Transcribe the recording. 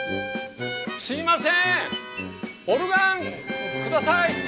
すいませんオルガンください！